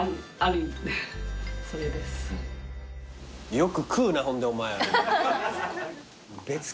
よく食うなほんでお前。